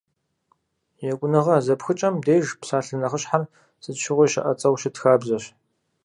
Екӏуныгъэ зэпхыкӏэм деж псалъэ нэхъыщхьэр сыт щыгъуи щыӏэцӏэу щыт хабзэщ.